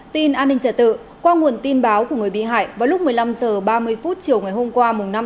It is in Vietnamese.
tin an ninh trả tự qua nguồn tin báo của người bị hại vào lúc một mươi năm h ba mươi chiều ngày hôm qua năm